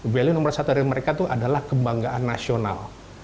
value nomor satu dari mereka itu adalah kebanggaan nasional